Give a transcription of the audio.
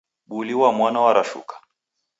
Buli wa mwana warashuka